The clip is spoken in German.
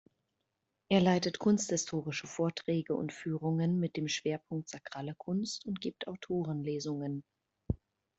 Er leitet kunsthistorische Vorträge und Führungen mit dem Schwerpunkt sakrale Kunst und gibt Autorenlesungen.